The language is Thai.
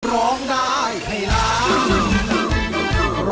ร้องได้ให้ล้าน